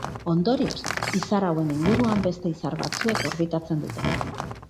Ondorioz, izar hauen inguruan beste izar batzuek orbitatzen dute.